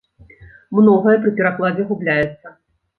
Многае пры перакладзе губляецца.